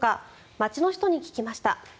街の人に聞きました。